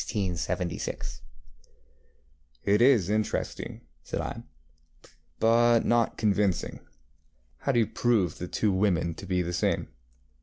ŌĆØ ŌĆ£It is interesting, ŌĆØ said I, ŌĆ£but not convincing. How do you prove the two women to be the same?